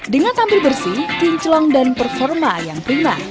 dengan tampil bersih pincelong dan performa yang prima